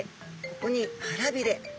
ここにはらびれ。